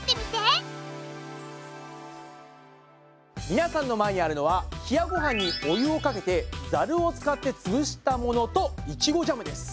みなさんの前にあるのは冷やごはんにお湯をかけてざるを使ってつぶしたものといちごジャムです。